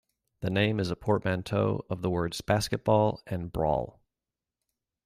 The name is a portmanteau of the words basketball and brawl.